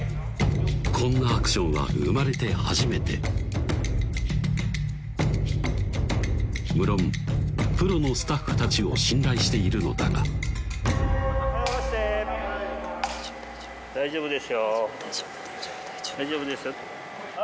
こんなアクションは生まれて初めて無論プロのスタッフたちを信頼しているのだがはい下ろして大丈夫ですよ大丈夫ですよ